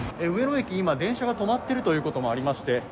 上野駅、今、電車が止まっているということもありまして